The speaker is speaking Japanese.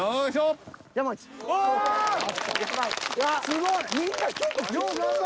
すごい。